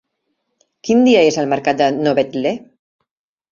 Quin dia és el mercat de Novetlè?